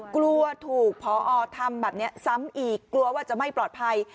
กลัวถูกพอทำแบบนี้ซ้ำอีกกลัวว่าจะไม่ปลอดภัย